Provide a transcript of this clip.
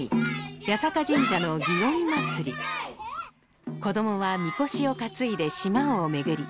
八坂神社の祇園祭子どもはみこしを担いで島を巡り